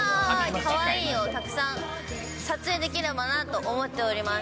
かわいいをたくさん撮影できればなと思っております。